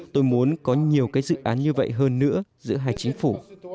tôi muốn có nhiều cái dự án như vậy hơn nữa giữa hai chính phủ